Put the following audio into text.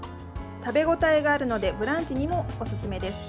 食べ応えがあるのでブランチにもおすすめです。